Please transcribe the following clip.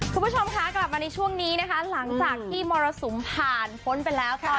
คุณผู้ชมคะกลับมาในช่วงนี้นะคะหลังจากที่มรสุมผ่านพ้นไปแล้วตอน